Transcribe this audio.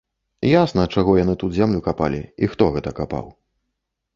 Ясна, чаго яны тут зямлю капалі і хто гэта капаў.